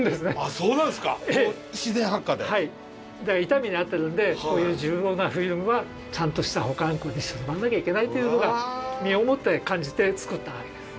痛い目に遭ってるんでこういう重要なフィルムはちゃんとした保管庫にしまわなきゃいけないっていうのが身をもって感じて作ったわけです。